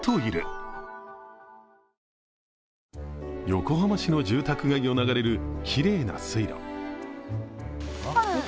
横浜市の住宅街を流れるきれいな水路。